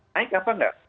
naik apa enggak